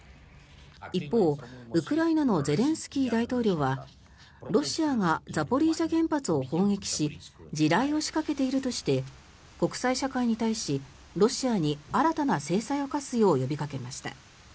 一方、ウクライナのゼレンスキー大統領はロシアがザポリージャ原発を砲撃し地雷を仕掛けているとして国際社会に対しロシアに新たな制裁を科すよう呼びかけました。